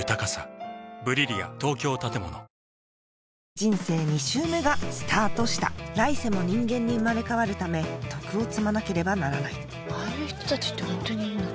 人生２周目がスタートした来世も人間に生まれ変わるため徳を積まなければならないああいう人たちってホントにいるんだね。